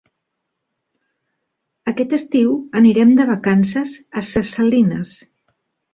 Aquest estiu anirem de vacances a Ses Salines.